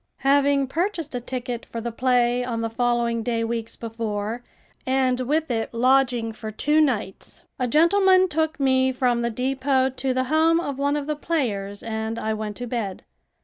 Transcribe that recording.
Having purchased a ticket for the play on the following day weeks before, and with it lodging for two nights, a gentleman took me from the depot to the home of one of the players and I went to bed.